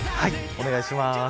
お願いします。